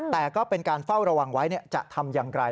แต่ก็เป็นการเฝ้าระวังไว้จะทำอย่างไร